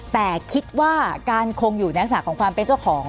แต่คิดว่าการคงอยู่ในลักษณะของความเป็นเจ้าของ